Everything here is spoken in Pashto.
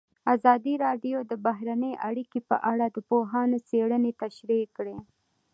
ازادي راډیو د بهرنۍ اړیکې په اړه د پوهانو څېړنې تشریح کړې.